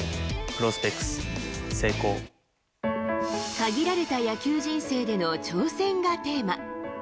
限られた野球人生での挑戦がテーマ。